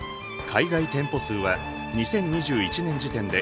海外店舗数は２０２１年時点で１８７。